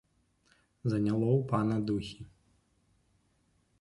Заняло ў пана духі.